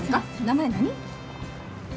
名前何？